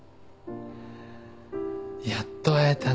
「やっと会えたね」